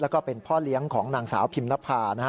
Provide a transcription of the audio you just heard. แล้วก็เป็นพ่อเลี้ยงของนางสาวพิมนภานะฮะ